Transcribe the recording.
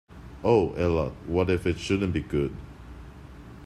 Oh, Ella, what if it shouldn’t be good!